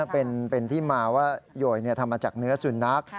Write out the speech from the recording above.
เป็นที่มาว่าโยยทำมาจากเนื้อสุนัข